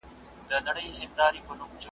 وئيل يې بس تسنيمه ! خوشبويۍ ترې راخوريږي .